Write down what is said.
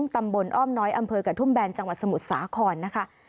ตำบลอ้อมน้อยอำเภอกระทุ่มแบนจังหวัดสมุทรสาครนะคะ